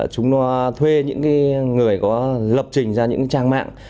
chúng nó thuê những người có lập trình ra những trang mạng